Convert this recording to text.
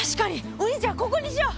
お兄ちゃんここにしよう！